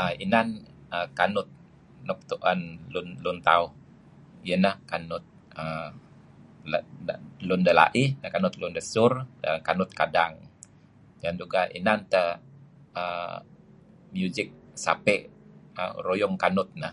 Ah inan kanuh nuk tuen Lun Tauh iyeh ineh kanut uhm lun delaih, kanut lun desur dah kanut kadang. Dan juga' inan teh uhm music Sapeh ruyung kanut neh.